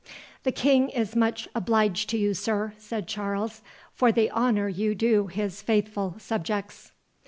"The King is much obliged to you, sir," said Charles, "for the honour you do his faithful subjects."